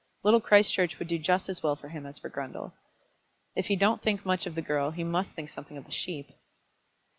Little Christchurch would do just as well for him as for Grundle. If he don't think much of the girl he must think something of the sheep."